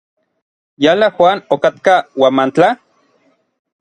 ¿Yala Juan okatka Huamantla?